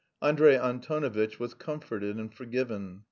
Andrey Antonovitch was comforted and forgiven.